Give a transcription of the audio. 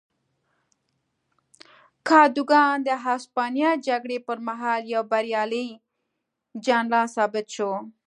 کادوګان د هسپانیا جګړې پر مهال یو بریالی جنرال ثابت شو.